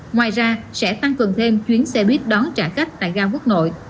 ngoài ra sẽ tăng cường thêm chuyến xe buýt đón trả khách tại ga quốc nội